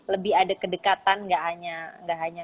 lebih ada kedekatan gak hanya